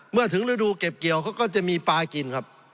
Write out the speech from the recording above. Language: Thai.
เมื่อถึงฤดูเก็บเกี่ยวเขาก็จะมีปลากินครับ